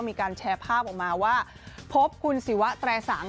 มีการแชร์ภาพออกมาว่าพบคุณศิวะแตรสัง